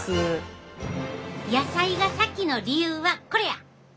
野菜が先の理由はこれや！